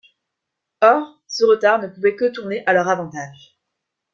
Or, ce retard ne pouvait que tourner à leur avantage.